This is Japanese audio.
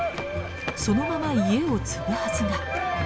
そのまま家を継ぐはずが。